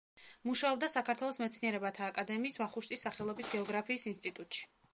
მუშაობდა საქართველოს მეცნიერებათა აკადემიის ვახუშტის სახელობის გეოგრაფიის ინსტიტუტში.